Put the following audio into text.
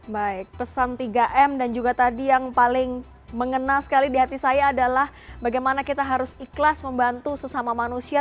baik pesan tiga m dan juga tadi yang paling mengena sekali di hati saya adalah bagaimana kita harus ikhlas membantu sesama manusia